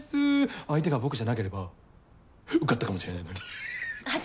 相手が僕じゃなければ受かったかもしれないのにはははっ。